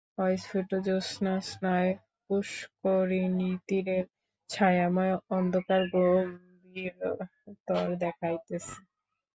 অস্ফুট জ্যোৎস্নায় পুষ্করিণীতীরের ছায়াময় অন্ধকার গম্ভীরতর দেখাইতেছে।